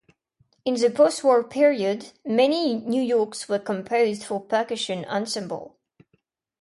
In the post-war period, many new works were composed for percussion ensemble.